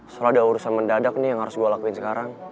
setelah ada urusan mendadak nih yang harus gue lakuin sekarang